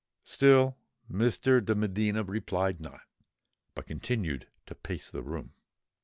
Still Mr. de Medina replied not—but continued to pace the room.